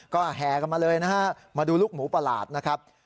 ก็แห่กันมาเลยนะฮะมาดูลูกหมูประหลาดนะครับ